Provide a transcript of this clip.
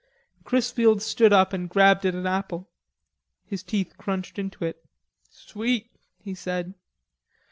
Chrisfield stood up and grabbed at an apple. His teeth crunched into it. "Sweet," he said.